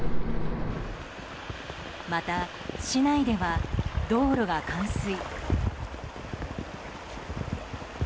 また、市内では道路が冠水。